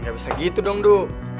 nggak bisa gitu dong du